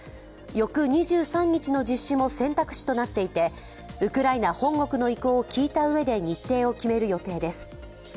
翌２３日の実施も選択肢となっていてウクライナ本国の意向を聞いたうえで日程を決める予定です。